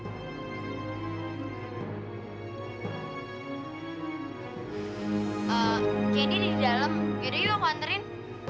eh kendi ada di dalam yaudah yuk aku hantarin